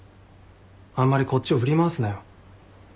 あんまりこっちを振り回すなよ。